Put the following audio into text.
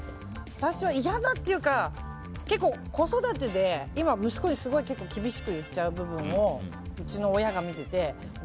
私は嫌だというか子育てで、息子に結構、厳しく言っちゃう部分をうちの親が見ていてお前